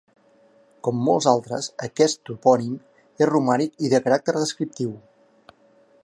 Com molts altres, aquest topònim és romànic i de caràcter descriptiu.